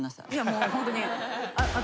もうホントに。